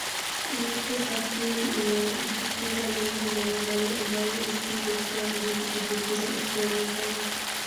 Unaposafiri unajifunza mambo mbalimbali ambayo isingekuwa rahisi kujifunza ukiwa nyumbani